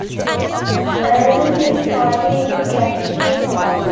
Andes is partly in the Catskill Park.